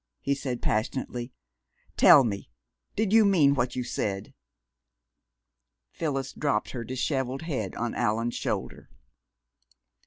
he said passionately. "Tell me, did you mean what you said?" Phyllis dropped her dishevelled head on Allan's shoulder.